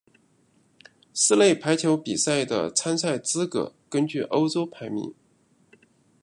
室内排球比赛的参赛资格根据欧洲排名。